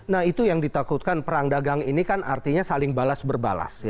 nah itu yang ditakutkan perang dagang ini kan artinya saling balas berbalas